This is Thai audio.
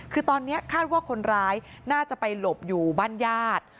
คือตอนนี้คาดว่าคนร้ายน่าจะไปหลบอยู่บ้านญาติ